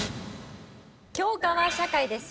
教科は社会です。